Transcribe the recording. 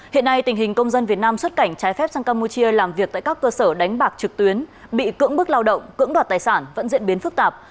hiện nay tình hình công dân việt nam xuất cảnh trái phép sang campuchia làm việc tại các cơ sở đánh bạc trực tuyến bị cưỡng bức lao động cưỡng đoạt tài sản vẫn diễn biến phức tạp